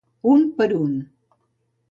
Un per un.